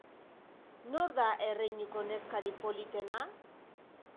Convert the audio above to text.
Nor da erreinuko neskarik politena?